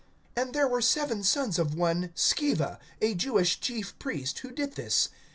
(14)And there were seven sons of one Sceva, a Jewish chief priest, who did this.